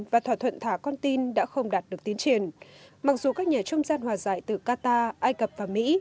và thỏa thuận thả con tin đã không đạt được tiến triển mặc dù các nhà trung gian hòa giải từ qatar ai cập và mỹ